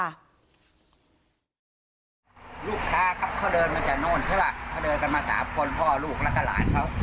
ลูกค้าครับเขาเดินมาจากโน่นใช่ป่ะเขาเดินกันมาสามคนพ่อลูกแล้วก็หลานเขา